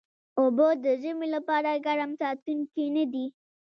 اوبه د ژمي لپاره ګرم ساتونکي نه دي